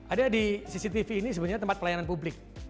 ada di cctv ini sebenarnya tempat pelayanan publik